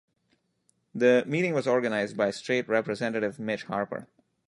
The meeting was organized by State Representative Mitch Harper.